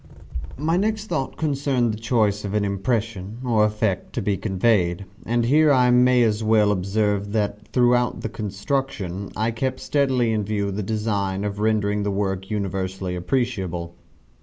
My next thought concerned the choice of an impression, or effect, to be conveyed: and here I may as well observe that throughout the construction, I kept steadily in view the design of rendering the work universally appreciable.